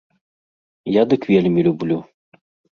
Я дык вельмі люблю.